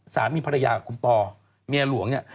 สามีภรรยาคุณปอเมียหลวงเนี่ย